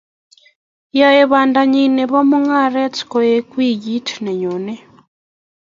yae panda nyi nebo mugaret koek wikit ne nyonei